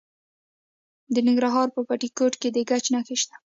د ننګرهار په بټي کوټ کې د ګچ نښې شته.